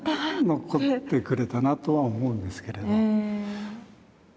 残ってくれたなとは思うんですけれど。